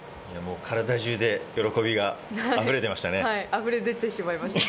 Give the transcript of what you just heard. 体中で喜びがあふれていましたね。